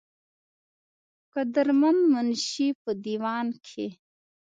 قدر مند منشي پۀ دېوان کښې